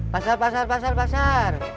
pasar pasar pasar pasar